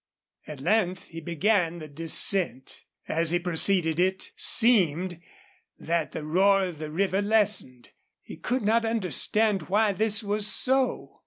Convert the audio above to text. At length he began the descent. As he proceeded it seemed that the roar of the river lessened. He could not understand why this was so.